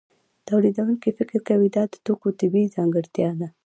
تولیدونکی فکر کوي دا د توکو طبیعي ځانګړتیا ده